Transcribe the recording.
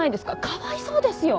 かわいそうですよ。